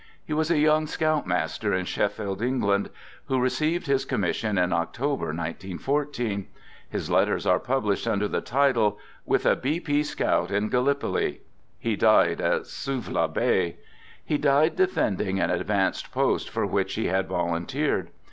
He was a young Scout master in Sheffield, England, who received his com mission in October, 19 14. His letters are published under the title " With a B. P. Scout in Gallipoli." He died at Suvla Bay. He died defending an ad vanced post for which he had volunteered.